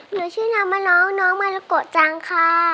หนูชื่อลำมะน้องน้องมรกจังค่ะ